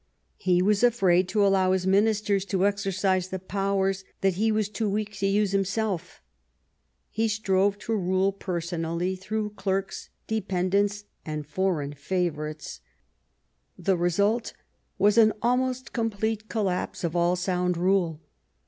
He was afraid to allow his ministers to exercise the powers that he was too weak to use himself. He strove to rule personally through clerks, dependents, and foreign favourites. The result was an almost complete collapse of all sound rule.